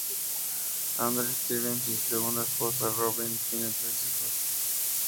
Andrew Stevens y su segunda esposa, Robyn, tienen tres hijos.